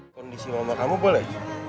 kondisi mama kamu boleh